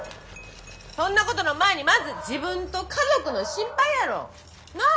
そんなことの前にまず自分と家族の心配やろ！なあ？